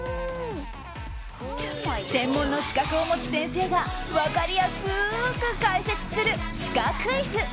専門の資格を持つ先生が分かりやすく解説するシカクイズ。